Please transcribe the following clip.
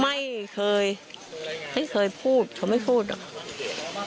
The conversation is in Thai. ไม่เคยไม่เคยพูดเขาไม่พูดหรอก